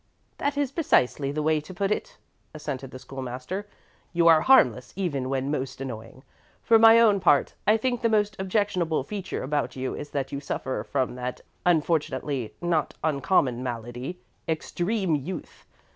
"That is precisely the way to put it," assented the School master. "You are harmless even when most annoying. For my own part, I think the most objectionable feature about you is that you suffer from that unfortunately not uncommon malady, extreme youth.